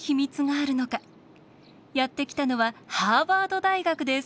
やって来たのはハーバード大学です。